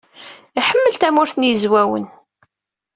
Iḥemmel Tamurt n Yizwawen.